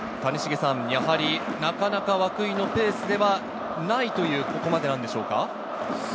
やはりなかなか涌井のペースではないという、ここまでなんでしょうか？